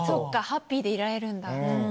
ハッピーでいられるんだ。